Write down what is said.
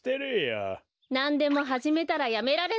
なんでもはじめたらやめられないのねウフ。